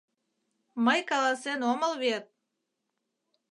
Мый каласен омыл вет...